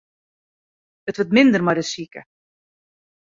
It wurdt minder mei de sike.